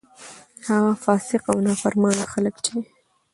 هغه فاسق او نا فرمانه خلک چې: